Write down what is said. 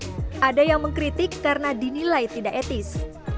tidak ada yang mengkritik karena dinilai tidak etis